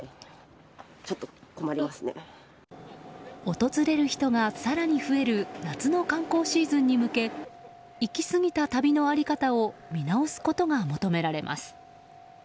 訪れる人が更に増える夏の観光シーズンに向け行き過ぎた旅の在り方を見直すことが求められます。